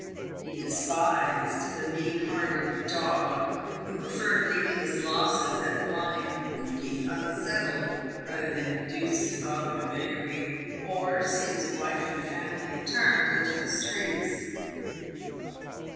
He despised the mean hearted dog who preferred leaving his losses at blind hookey unsettled rather than reduce his father to beggary, or see his wife and family turned into the streets.